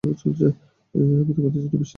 আমি তোমাদের জন্য বিশেষ একটা ডিম এনেছি!